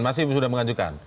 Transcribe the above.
masih sudah mengajukan